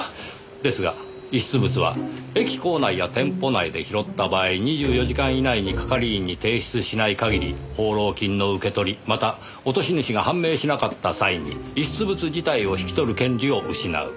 ですが遺失物は駅構内や店舗内で拾った場合２４時間以内に係員に提出しない限り報労金の受け取りまた落とし主が判明しなかった際に遺失物自体を引き取る権利を失う。